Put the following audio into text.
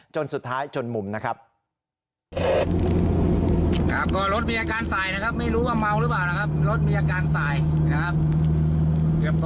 เฉียวแล้วเฉียวแล้วเหมือนกันเฉียวแล้ว